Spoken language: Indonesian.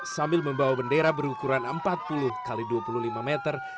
sambil membawa bendera berukuran empat puluh x dua puluh lima meter